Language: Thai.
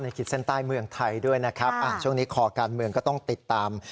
ขีดเส้นใต้เมืองไทยด้วยนะครับช่วงนี้คอการเมืองก็ต้องติดตาม